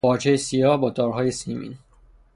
پارچهی سیاه با تارهای سیمین